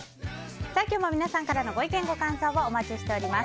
今日も皆さんからのご意見ご感想をお待ちしています。